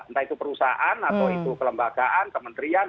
entah itu perusahaan atau itu kelembagaan kementerian